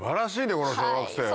この小学生は。